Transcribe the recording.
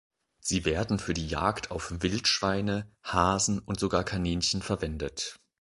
Sie werden für die Jagd auf Wildschweine, Hasen und sogar Kaninchen verwendet.